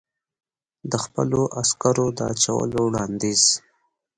د خپلو عسکرو د اچولو وړاندیز.